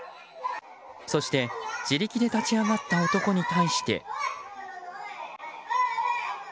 そして、自力で立ち上がった男に対して。